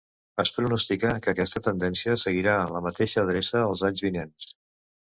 Es pronostica que aquesta tendència seguirà en la mateixa adreça els anys vinents.